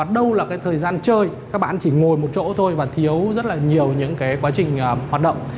đâu là cái thời gian chơi các bạn chỉ ngồi một chỗ thôi và thiếu rất là nhiều những quá trình hoạt động